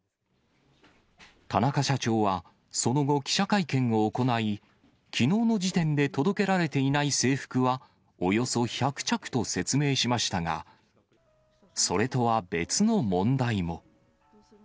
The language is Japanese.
田中社長は、その後、記者会見を行い、きのうの時点で届けられていない制服は、およそ１００着と説明しましたが、それとは別の問題も。